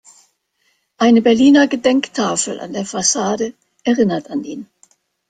Eine "Berliner Gedenktafel" an der Fassade erinnert an ihn.